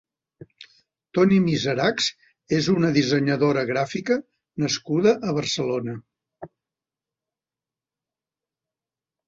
Toni Miserachs és una dissenyadora gràfica nascuda a Barcelona.